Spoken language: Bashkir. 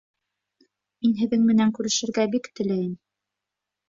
Мин һеҙҙең менән күрешергә бик теләйем